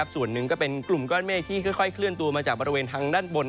ส่วนหนึ่งก็เป็นกลุ่มก้อนเมฆที่ค่อยเคลื่อนตัวมาจากบริเวณทางด้านบน